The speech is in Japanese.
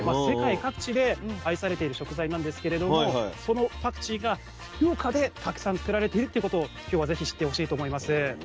世界各地で愛されている食材なんですけれどもそのパクチーが福岡でたくさん作られているっていうことを今日は是非知ってほしいと思います。